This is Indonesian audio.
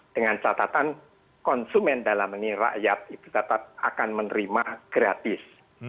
dengan catatan konsumen dalam ini rakyat itu tetap akan menerima gratis